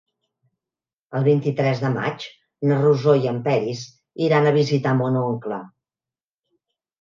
El vint-i-tres de maig na Rosó i en Peris iran a visitar mon oncle.